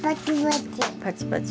パチパチ。